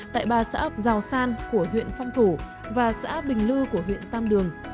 tại ba xã ấp giao san của huyện phong thủ và xã bình lưu của huyện tam đường